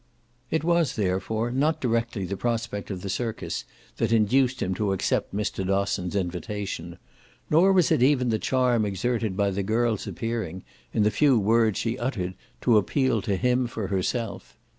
It was therefore not directly the prospect of the circus that induced him to accept Mr. Dosson's invitation; nor was it even the charm exerted by the girl's appearing, in the few words she uttered, to appeal to him for herself.